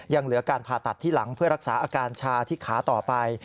ยังเหลือการผ่าตัดที่หลังเพื่อรักษาอาการชาที่ขาต่อไป